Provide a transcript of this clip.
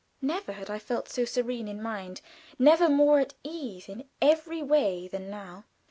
Never had I felt so serene in mind, never more at ease in every way, than now.